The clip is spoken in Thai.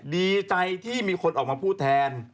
ดีใจที่มีคนออกมาพูดแทน